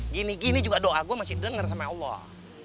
gini gini juga doa gue masih didengar sama allah